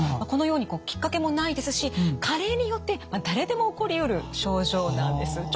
このようにきっかけもないですし加齢によって誰でも起こりうる症状なんです。